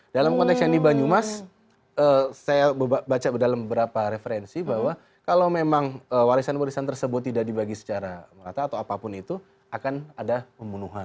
dalam konteks yang di banyumas saya baca dalam beberapa referensi bahwa kalau memang warisan warisan tersebut tidak dibagi secara merata atau apapun itu akan ada pembunuhan